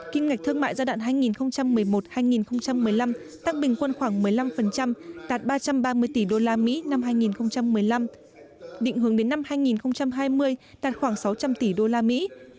kim ngạch thương mại giai đoạn hai nghìn một mươi một hai nghìn một mươi năm tăng bình quân khoảng một mươi năm đạt ba trăm ba mươi tỷ đô la mỹ năm hai nghìn một mươi năm định hướng đến năm hai nghìn hai mươi đạt khoảng sáu trăm linh tỷ đô la mỹ